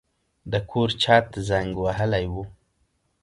د کور چت زنګ وهلی و.